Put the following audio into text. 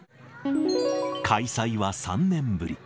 開催は３年ぶり。